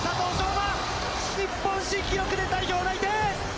馬、日本新記録で代表内定。